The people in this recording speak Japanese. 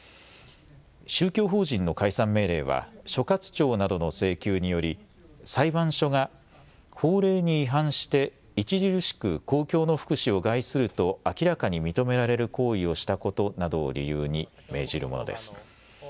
宗教法人の解散命令は所轄庁などの請求により裁判所が法令に違反して著しく公共の福祉を害すると明らかに認められる行為をしたことなどを理由に命じるものです。